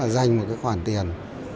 dành một khoản tiền